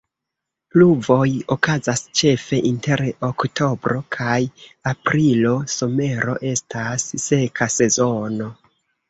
Pluvoj okazas ĉefe inter oktobro kaj aprilo; somero estas seka sezono.